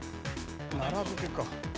奈良漬けか。